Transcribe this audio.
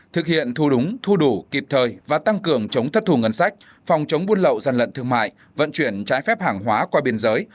thực hiện thu đúng thu đủ kịp thời và tăng cường chống thất thù ngân sách phòng chống buôn lậu gian lận thương mại vận chuyển trái phép hàng hóa qua biên giới